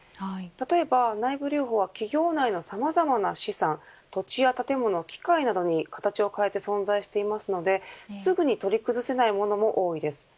例えば内部留保は企業内のさまざまな資産土地や建物、機械などに形を変えて存在していますのですぐに取り崩さないものも多いです。